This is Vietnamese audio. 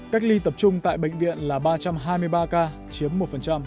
cách ly tập trung tại bệnh viện là ba trăm hai mươi ba ca chiếm một